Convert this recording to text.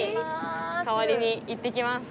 代わりに行ってきます。